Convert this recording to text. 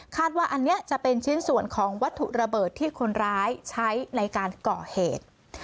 ว่าอันนี้จะเป็นชิ้นส่วนของวัตถุระเบิดที่คนร้ายใช้ในการก่อเหตุ